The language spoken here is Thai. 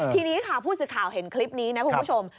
ทีนี้ค่ะผู้สื่อข่าวเห็นคลิปนี้นะคุณผู้ชม